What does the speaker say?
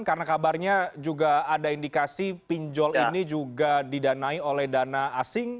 karena kabarnya juga ada indikasi pinjol ini juga didanai oleh dana asing